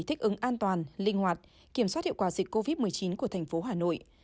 thích ứng an toàn linh hoạt kiểm soát hiệu quả dịch covid một mươi chín của thành phố hà nội